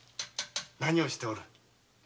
何をしておる？